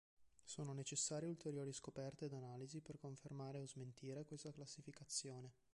Sono necessarie ulteriori scoperte ed analisi per confermare o smentire questa classificazione.